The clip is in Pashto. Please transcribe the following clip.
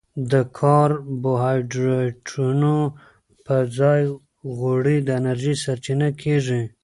د کاربوهایډریټونو پر ځای غوړي د انرژي سرچینه کېږي.